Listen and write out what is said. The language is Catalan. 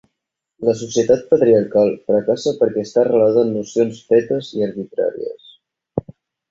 La societat patriarcal fracassa perquè està arrelada en nocions fetes i arbitràries.